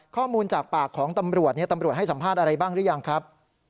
ข้อมูลจากปากของตำรวจตำรวจให้สัมภาษณ์อะไรบ้างหรือยังครับ